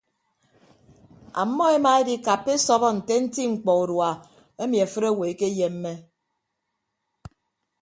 Ammọ emaedikappa esọbọ nte nti mkpọ urua emi afịt owo ekeyemme.